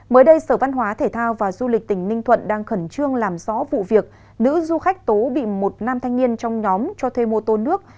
mới đây sở văn hóa thể thao và du lịch tỉnh ninh thuận đang khẩn trương làm rõ vụ việc nữ du khách tố bị một nam thanh niên trong nhóm cho thuê mô tô nước